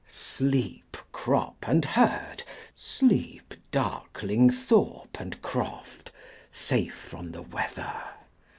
Sleep, crop and herd! sleep, darkling thorpe and croft, Safe from the weather!